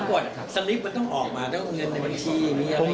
แล้วก็สนิทมันต้องออกมาเพราะว่าเงินในบัญชีนี้